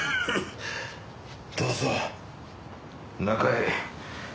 どうぞ中へ。